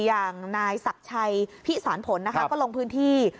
อย่างนายศักดิ์ชัยพิสารผลนะคะก็ลงพื้นที่